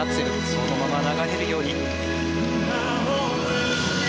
そのまま流れるように。